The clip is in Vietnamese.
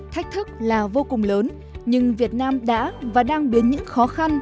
thách thức là vô cùng lớn nhưng việt nam đã và đang biến những khó khăn